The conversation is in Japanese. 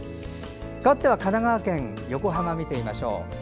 かわって神奈川県横浜を見てみましょう。